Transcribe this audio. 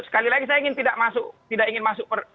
sekali lagi saya ingin tidak ingin masuk